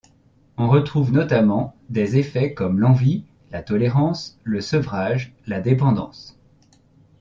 On retrouve notamment des effets comme l'envie, la tolérance, le sevrage, la dépendance.